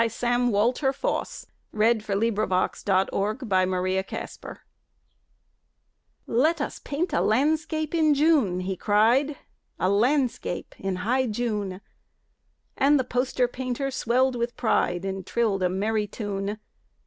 Sam Walter Foss The Poster Painter's Masterpiece "LET us paint a landscape in June," he cried; "A Landscape in high June." And the poster painter swelled with pride And trilled a merry tune.